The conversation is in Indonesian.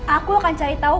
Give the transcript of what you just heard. aku akan cari tau